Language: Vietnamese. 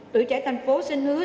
tự trẻ thành phố xin hứa